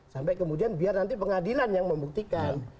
sampai kemudian biar nanti pengadilan yang membuktikan